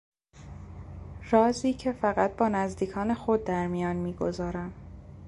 رازی که فقط با نزدیکان خود درمیان میگذارم